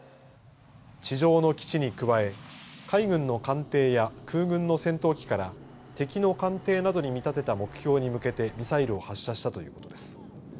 地上の基地に加え海軍の艦艇や空軍の戦闘機から敵の艦艇などに見立てた目標に向けてミサイルを発射したということです。